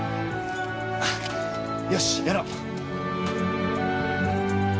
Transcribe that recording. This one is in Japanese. よしやろう！